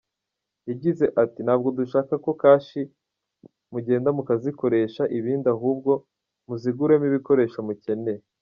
Yagize ati “ Ntabwo dushaka ko kashi mugenda mukazikoresha ibindi ahubwo muziguremo ibikoresho mukeneye.